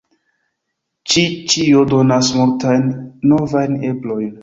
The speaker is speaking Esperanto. Ĉi ĉio donas multajn novajn eblojn.